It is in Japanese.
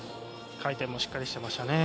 回転もしっかりしていました。